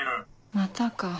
またか。